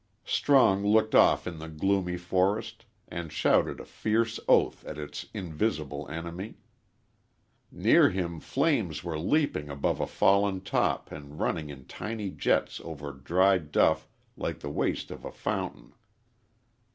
Strong looked off in the gloomy forest and shouted a fierce oath at its invisible enemy. Near him flames were leaping above a fallen top and running in tiny jets over dry duff like the waste of a fountain.